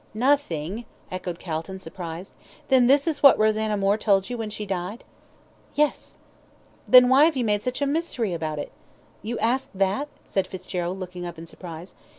"Nothing," echoed Calton, surprised, "then this is what Rosanna Moore told you when she died?" "Yes!" "Then why have you made such a mystery about it?" "You ask that?" said Fitzgerald, looking up, in surprise.